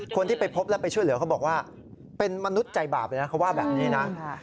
คนที่ไปพบแล้วช่วยเหลือเขาบอกว่าเป็นมนุษย์ใจบาปเลยนะ